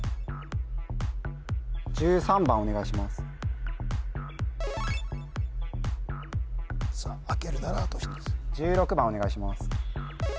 １３番お願いしますさあ開けるならあと１つ１６番お願いします